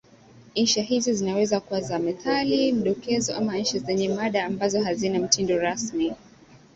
Insha hizi zinaweza kuwa za methali, mdokezo ama insha zenye mada ambazo hazina mtindo rasmi.